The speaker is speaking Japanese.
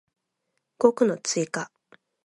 語句の追加